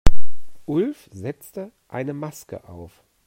Ulf setzte eine Maske auf.